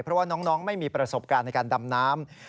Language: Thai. เพราะว่าน้องไม่มีประสบการณ์ในการดำน้ำ